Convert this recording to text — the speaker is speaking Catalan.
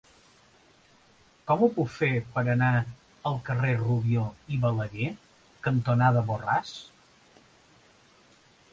Com ho puc fer per anar al carrer Rubió i Balaguer cantonada Borràs?